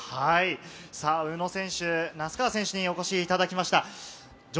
宇野選手、名須川選手にお越しいただきました。